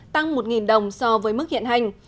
tăng một đồng so với mức hiện hành